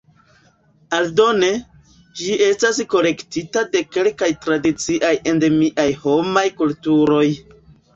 Aldone, ĝi estas kolektita de kelkaj tradiciaj endemiaj homaj kulturoj.